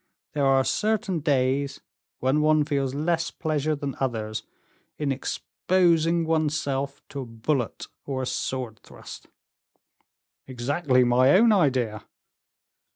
There are certain days when one feels less pleasure than others in exposing one's self to a bullet or a sword thrust." "Exactly my own idea."